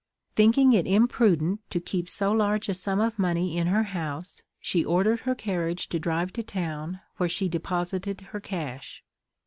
Thinking it imprudent to keep so large a sum of money in her house, she ordered her carriage to drive to town, where she deposited her cash.